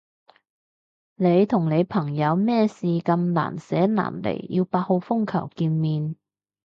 你同你朋友咩事咁難捨難離要八號風球見面？